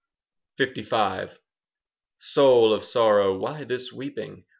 LV Soul of sorrow, why this weeping?